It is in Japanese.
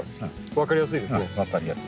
分かりやすいですね。